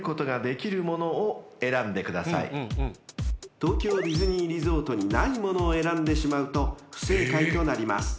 ［東京ディズニーリゾートにないものを選んでしまうと不正解となります］